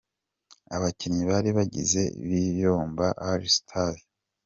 Abakinnyi bari bagize Biyombo All Stars.